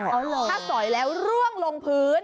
ถ้าสอยแล้วร่วงลงพื้น